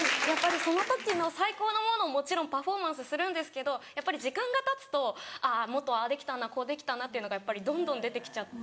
その時の最高のものをもちろんパフォーマンスするんですけどやっぱり時間がたつとあぁもっとああできたなこうできたなっていうのがどんどん出てきちゃって。